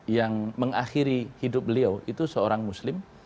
yang mengakhiri hidup beliau itu seorang muslim